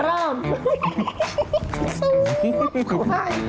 อ่ะเริ่ม